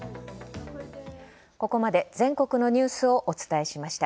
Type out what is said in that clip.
ここまで、全国のニュースをお伝えしました。